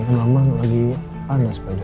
mama lagi panas pada